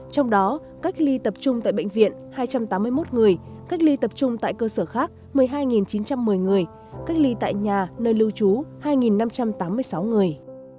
trong đó cách ly tập trung tại bệnh viện hai trăm tám mươi một người cách ly tập trung tại cơ sở khác một mươi hai chín trăm một mươi người cách ly tại nhà nơi lưu trú hai năm trăm tám mươi sáu người